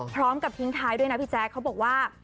พร้อมกับทิ้งท้ายด้วยนะพี่แจ๊คเขาบอกว่า